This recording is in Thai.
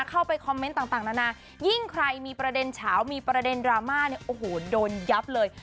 เข้าไปคอมเมนต์ต่างนานายิ่งใครมีประเด็นเฉามีประเด็นดราม่าเนี่ยโอ้โหโดนยับเลย